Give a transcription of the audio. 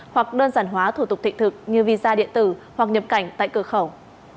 hoặc đơn giản hóa thủ tục thị thực như visa điện tử hoặc nhập cảnh tại cửa khẩu